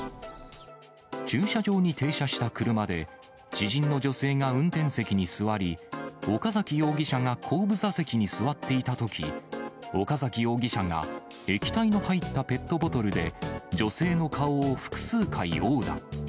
駐車場に停車した車で、知人の女性が運転席に座り、岡崎容疑者が後部座席に座っていたとき、岡崎容疑者が液体の入ったペットボトルで、女性の顔を複数回殴打。